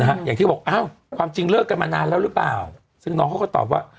อย่างที่บอกอ้าวความจริงเลิกกันมานานแล้วหรือเปล่าซึ่งน้องเขาก็ตอบว่า